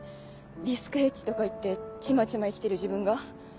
リスクヘッジとか言ってちまちま生きてる自分が。